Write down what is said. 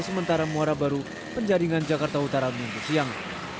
sementara muara baru penjaringan jakarta utara minggu siang